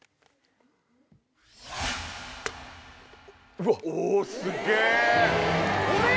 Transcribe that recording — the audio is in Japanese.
うわ！おすげぇ！